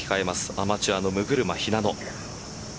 アマチュアの六車日那乃。